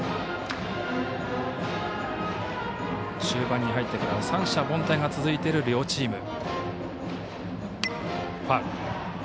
中盤に入ってからは三者凡退が続いている両チーム。